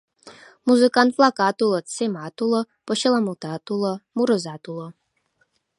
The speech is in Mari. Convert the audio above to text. Музыкант-влакат улыт, семат уло, почеламутат уло, мурызат уло.